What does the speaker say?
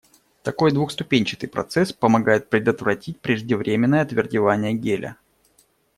Такой двухступенчатый процесс помогает предотвратить преждевременное отвердевание геля.